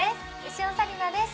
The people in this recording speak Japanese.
潮紗理菜です